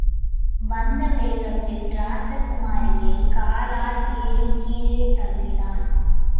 வந்த வேகத்தில், ராசகுமாரியைக் காலால் இடறிக் கீழே தள்ளினான்.